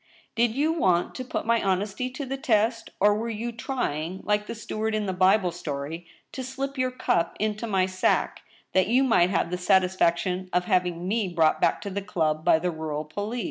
Did you want to put my honesty to the test ; or were you trying, like the steward in the Bible story, to slip your cup into my sack, that you might have the satisfaction of having me brought back to the club by the rural police